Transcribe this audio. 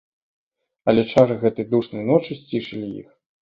Але чары гэтай душнай ночы сцішылі іх.